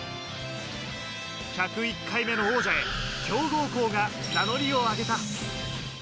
１０１回目の王者へ、強豪校が名乗りを上げた。